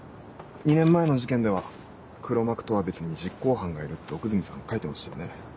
２年前の事件では黒幕とは別に実行犯がいるって奥泉さん書いてましたよね？